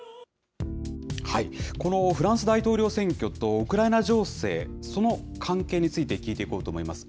このフランス大統領選挙とウクライナ情勢、その関係について聞いていこうと思います。